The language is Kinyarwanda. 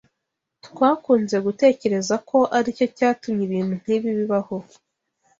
Twakunze gutekereza ko aricyo cyatumye ibintu nkibi bibaho.